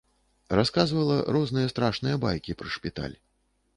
Расказвала розныя страшныя байкі пра шпіталь.